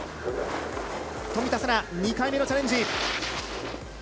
冨田せな、２回目のチャレンジ。